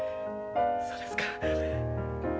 そうですか？